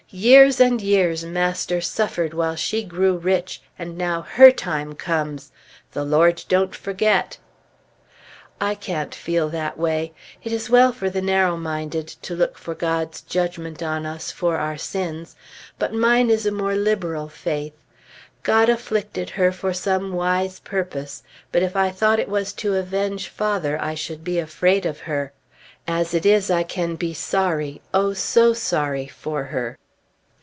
Years and years master suffered while she grew rich, and now her time comes! The Lord don't forget!" I can't feel that way. It is well for the narrow minded to look for God's judgment on us for our sins; but mine is a more liberal faith. God afflicted her for some wise purpose; but if I thought it was to avenge father, I should be afraid of her. As it is, I can be sorry, oh, so sorry for her!